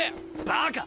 バカ！